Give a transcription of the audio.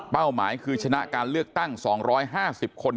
หมายคือชนะการเลือกตั้ง๒๕๐คน